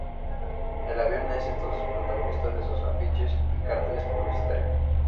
El avión es entonces, protagonista en sus afiches y carteles publicitarios.